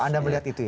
anda melihat itu ya